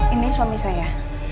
ini suami saya